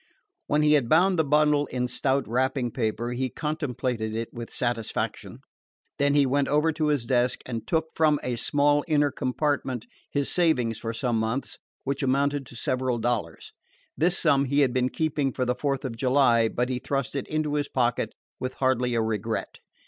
When he had bound the bundle in stout wrapping paper he contemplated it with satisfaction. Then he went over to his desk and took from a small inner compartment his savings for some months, which amounted to several dollars. This sum he had been keeping for the Fourth of July, but he thrust it into his pocket with hardly a regret.